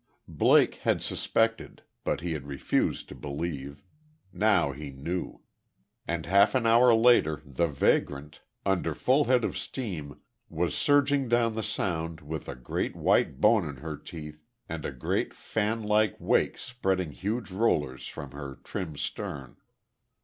Blake had suspected; but he had refused to believe. Now he knew. And half an hour later, "The Vagrant," under full head of steam, was surging down the Sound with a great, white bone in her teeth and a great, fan like wake spreading huge rollers from her trim stern.